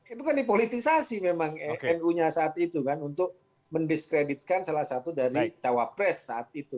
itu kan dipolitisasi memang nu nya saat itu kan untuk mendiskreditkan salah satu dari cawapres saat itu